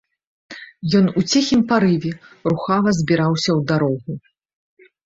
Ён у ціхім парыве рухава збіраўся ў дарогу.